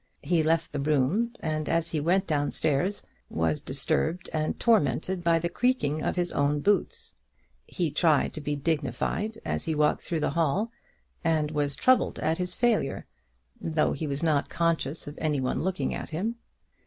He left the room, and as he went down stairs was disturbed and tormented by the creaking of his own boots. He tried to be dignified as he walked through the hall, and was troubled at his failure, though he was not conscious of any one looking at him.